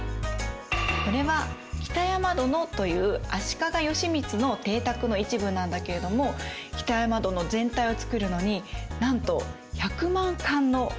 これは北山殿という足利義満の邸宅の一部なんだけれども北山殿全体を造るのになんと１００万貫のお金が使われています。